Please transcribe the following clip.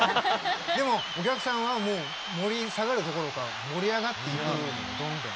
でもお客さんはもう盛り下がるどころか盛り上がっていくどんどん。